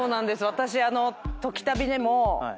私。